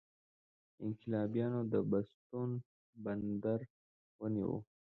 انقلابیانو د بوستون بندر ونیو.